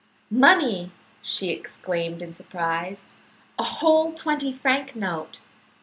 "Money!" she exclaimed in surprise. "A whole twenty franc note.